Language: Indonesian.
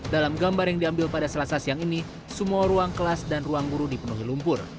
dalam gambar yang diambil pada selasa siang ini semua ruang kelas dan ruang guru dipenuhi lumpur